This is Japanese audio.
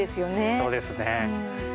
そうですね